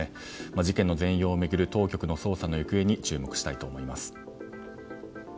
事件の全容を巡る当局の捜査に注目したいと思います。